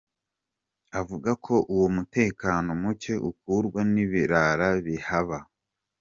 Avuga ko uwo mutekano muke ukururwa n’ibirara bihaba.